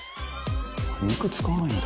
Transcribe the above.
「肉使わないんだ」